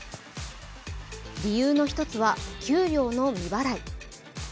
理由の１つは給料の未払い。